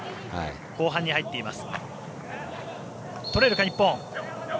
後半に入っています。